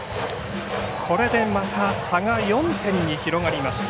これでまた差が４点に広がりました。